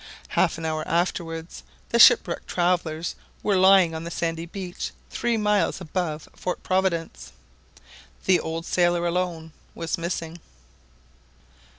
Half an hour afterwards, the shipwrecked travellers were lying on the sandy beach three miles above Fort Providence. The old sailor alone was missing